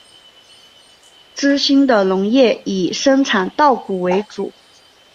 资兴的农业以生产稻谷为主。